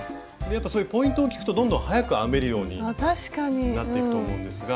やっぱそういうポイントを聞くとどんどん速く編めるようになっていくと思うんですが。